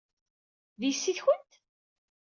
D yessi-twen?